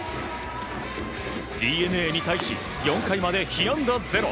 ＤｅＮＡに対し４回まで被安打ゼロ。